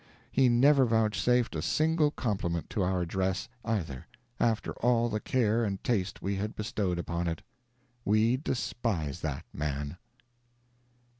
He never vouchsafed a single compliment to our dress, either, after all the care and taste we had bestowed upon it. We despise that man.